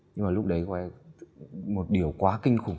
nhưng mà lúc đấy của em một điều quá kinh khủng